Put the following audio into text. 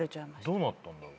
どうなったんだろ？